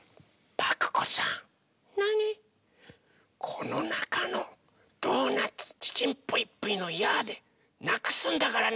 このなかのドーナツ「ちちんぷいぷいのやあ！」でなくすんだからね！